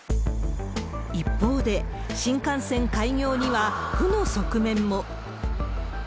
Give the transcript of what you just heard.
一方で、新幹線開業には負の側面も。